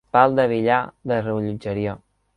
Pal de billar de rellotgeria.